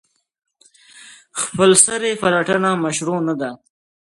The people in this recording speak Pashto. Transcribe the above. خپلسري پلټنه مشروع نه ده.